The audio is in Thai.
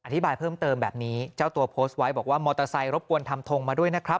อธิบายเพิ่มเติมแบบนี้เจ้าตัวโพสต์ไว้บอกว่ามอเตอร์ไซค์รบกวนทำทงมาด้วยนะครับ